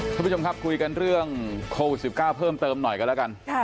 คุณผู้ชมครับคุยกันเรื่องโควิด๑๙เพิ่มเติมหน่อยกันแล้วกัน